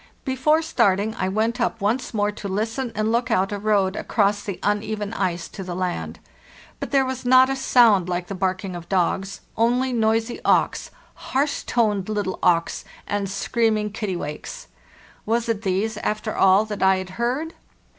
Before starting I went up once more to listen and look out a road across the uneven ice to the land. But there was not a sound like the barking of dogs, only noisy auks, harsh toned little auks, and screaming kittiwakes. Was it these, after all, that I had heard?